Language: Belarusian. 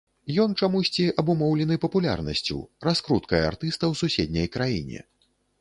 Ён чамусьці абумоўлены папулярнасцю, раскруткай артыста ў суседняй краіне.